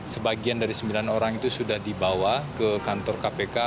sebagian dari sembilan orang itu sudah dibawa ke kantor kpk